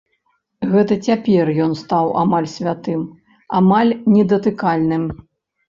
Гэта цяпер ён стаў амаль святым, амаль недатыкальным.